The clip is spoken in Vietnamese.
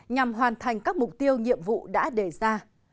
nhằm hoàn thành các mục tiêu nhiệm vụ đã đề ra